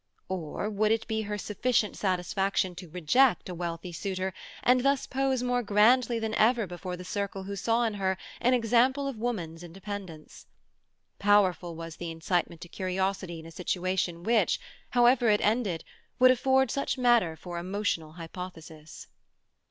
Or would it be her sufficient satisfaction to reject a wealthy suitor, and thus pose more grandly than ever before the circle who saw in her an example of woman's independence? Powerful was the incitement to curiosity in a situation which, however it ended, would afford such matter for emotional hypothesis.